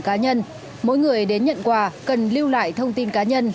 khi đến nhận quà cần lưu lại thông tin cá nhân